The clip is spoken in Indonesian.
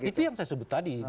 itu yang saya sebut tadi